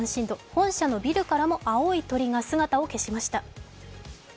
本社のビルからも青い鳥が姿を消しました。